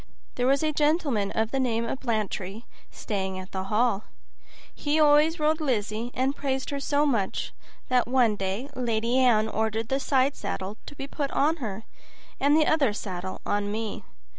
There was a gentleman of the name of Blantyre staying at the hall; he always rode Lizzie, and praised her so much that one day Lady Anne ordered the side saddle to be put on her, and the other saddle on me.